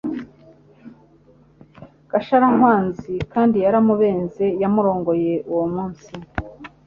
Gasharankwanzi kandi yaramubenze yamurongoye uwo munsi